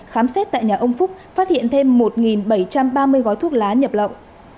khám xét tại nhà ông phúc phát hiện thêm một bảy trăm ba mươi gói thuốc lá nhập lậu